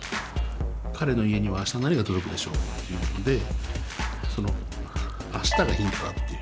「彼の家にはあした何が届くでしょう」っていうので「あした」がヒントだっていう。